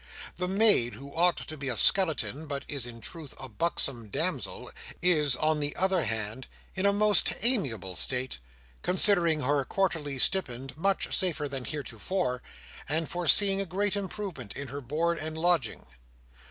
The maid who ought to be a skeleton, but is in truth a buxom damsel, is, on the other hand, in a most amiable state: considering her quarterly stipend much safer than heretofore, and foreseeing a great improvement in her board and lodging.